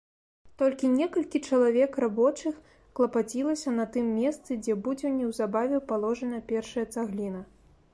Толькі некалькі чалавек рабочых клапацілася на тым месцы, дзе будзе неўзабаве паложана першая цагліна.